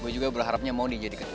gue juga berharapnya mau dijadi ketua